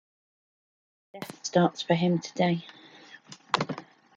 Death starts for him today.